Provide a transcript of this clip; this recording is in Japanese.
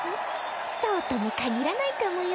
そうともかぎらないかもよ。